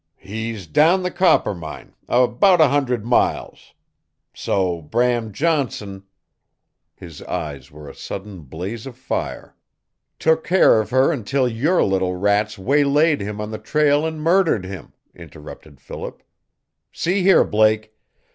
"He's down the Coppermine about a hundred miles. So, Bram Johnson " His eyes were a sudden blaze of fire. "Took care of her until your little rats waylaid him on the trail and murdered him," interrupted Philip. "See here, Blake.